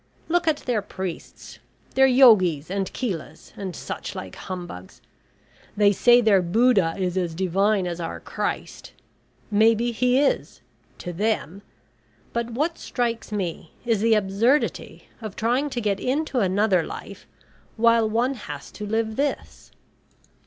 Look at their priests, their yogis, and chelas, and such like humbugs! They say their Buddha is as divine as our Christ. Maybe he is to them! But what strikes me is the absurdity of trying to get into another life while one has to live this.